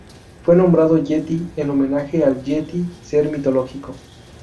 Fue nombrado Yeti en homenaje al Yeti ser mitológico.